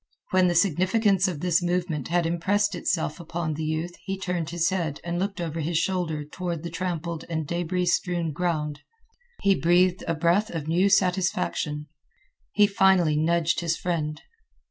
When the significance of this movement had impressed itself upon the youth he turned his head and looked over his shoulder toward the trampled and débris strewed ground. He breathed a breath of new satisfaction. He finally nudged his friend.